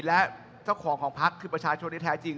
และเจ้าของของพักคือประชาชนที่แท้จริง